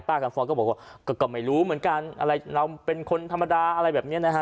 กับฟอยก็บอกว่าก็ไม่รู้เหมือนกันอะไรเราเป็นคนธรรมดาอะไรแบบนี้นะฮะ